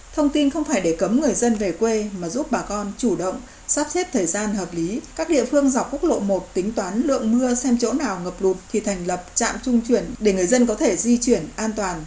thông tin không phải để cấm người dân về quê mà giúp bà con chủ động sắp xếp thời gian hợp lý các địa phương dọc quốc lộ một tính toán lượng mưa xem chỗ nào ngập lụt thì thành lập trạm trung chuyển để người dân có thể di chuyển an toàn